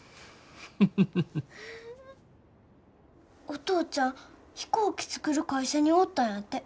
お父ちゃん飛行機作る会社におったんやて。